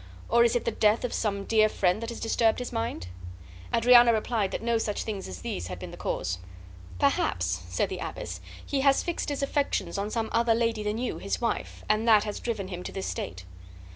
Or is it the death of some dear friend that has disturbed his mind?" Adriana replied that no such things as these had been the cause. "Perhaps," said the abbess, "he has fixed his affections on some other lady than you, his wife, and that has driven him to this state."